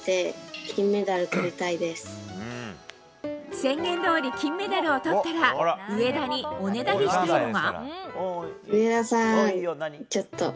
宣言どおり金メダルを取ったら上田におねだりしたいのが。